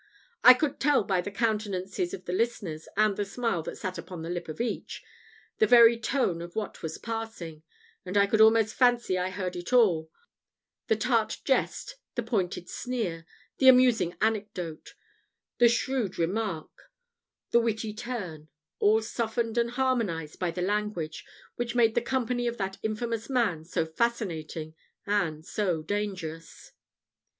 I could tell by the countenances of the listeners, and the smile that sat upon the lip of each, the very tone of what was passing; and I could almost fancy I heard it all the tart jest, the pointed sneer, the amusing anecdote, the shrewd remark, the witty turn, all softened and harmonized by the language, which made the company of that infamous man so fascinating and so dangerous.